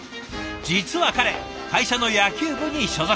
実は彼会社の野球部に所属。